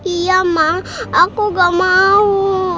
iya mang aku gak mau